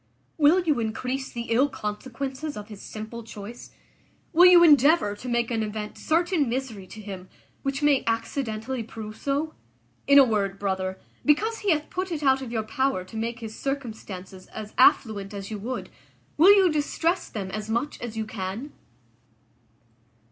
Will you increase the ill consequences of his simple choice? Will you endeavour to make an event certain misery to him, which may accidentally prove so? In a word, brother, because he hath put it out of your power to make his circumstances as affluent as you would, will you distress them as much as you can?"